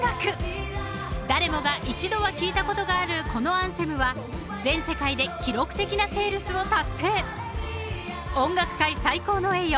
［誰もが一度は聴いたことがあるこのアンセムは全世界で記録的なセールスを達成］